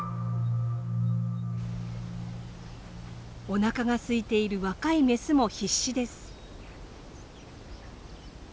おなかがすいている若いメスも必死です。